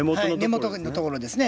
根元のところですね。